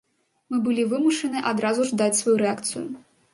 Мы былі вымушаныя адразу ж даць сваю рэакцыю.